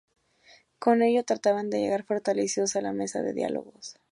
Con ello trataban de llegar fortalecidos a la mesa de diálogos.